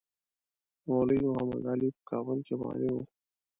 مولوی محمدعلي په کابل کې معلم وو.